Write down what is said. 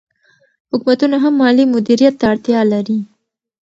حکومتونه هم مالي مدیریت ته اړتیا لري.